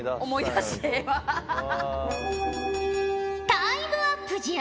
タイムアップじゃ。